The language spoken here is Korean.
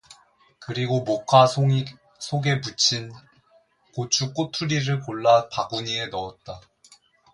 그리고 목화 송이 속에 묻힌 고추 꼬투리를 골라 바구니에 넣었다.